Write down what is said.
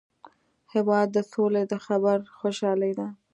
هېواد د سولي د خبر خوشالي ده.